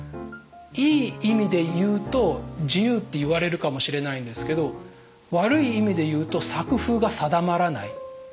いい意味で言うと自由って言われるかもしれないんですけど悪い意味で言うと作風が定まらない。